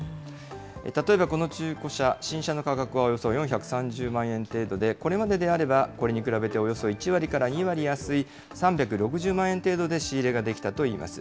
例えばこの中古車、新車の価格はおよそ４３０万円程度で、これまでであればこれに比べておよそ１割から２割安い３６０万円程度で仕入れができたといいます。